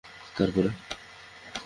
তার পরে?